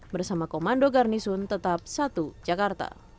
bersama komando garnisun tetap satu jakarta